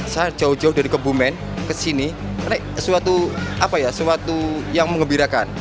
saya jauh jauh dari kebumen ke sini ini suatu yang mengembirakan